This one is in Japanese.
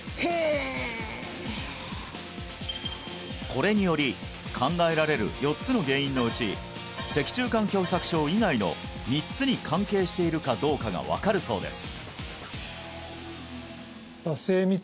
これにより考えられる４つの原因のうち脊柱管狭窄症以外の３つに関係しているかどうかが分かるそうです